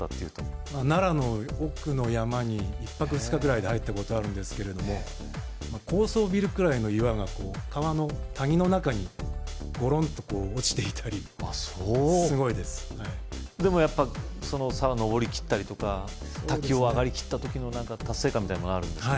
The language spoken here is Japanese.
奈良の奥の山に１泊２日ぐらいで入ったことあるんですけれども高層ビルくらいの岩が川の谷の中にゴロンと落ちていたりあぁそうすごいですはいでもやっぱその沢登りきったりとか滝を上がりきった時の達成感みたいなものがあるんですか